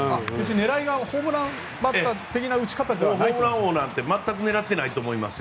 狙いがホームランバッター的なホームラン王なんて全く狙ってないと思います。